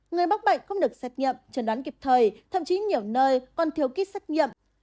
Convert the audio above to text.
người mắc bệnh không được xét nghiệm trần đoán kịp thời thậm chí nhiều nơi còn thiếu kit xét nghiệm